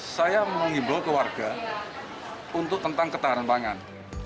saya mengimbau ke warga untuk tentang ketahanan pangan